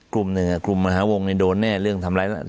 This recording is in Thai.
กลุ่มหนึ่งกลุ่มมหาวงโดนแน่เรื่องทำร้าย